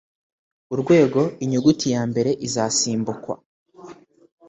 urwego Inyuguti ya mbere izasimbukwa